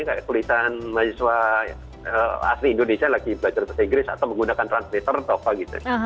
kayak tulisan mahasiswa asli indonesia lagi belajar bahasa inggris atau menggunakan translator atau apa gitu